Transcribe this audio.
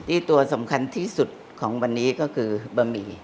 ตัวสำคัญที่สุดของวันนี้ก็คือบะหมี่